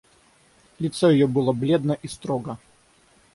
Лицо ее было бледно и строго.